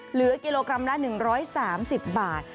เหลือกิโลกรัมละ๑๓๐บาท